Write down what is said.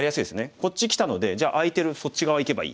こっちきたのでじゃあ空いてるそっち側いけばいい。